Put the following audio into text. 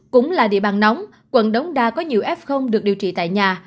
cũng là địa bàn nóng quận đống đa có nhiều f được điều trị tại nhà